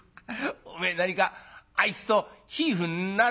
おめえ何かあいつと夫婦になるのか」。